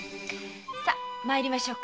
さ参りましょう。